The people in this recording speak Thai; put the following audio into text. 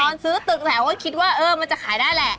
ตอนซื้อตึกแถวก็คิดว่าเออมันจะขายได้แหละ